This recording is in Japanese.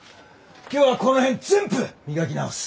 今日はこの辺全部磨き直す。